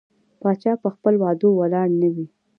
پاچا په خپل وعدو ولاړ نه وي.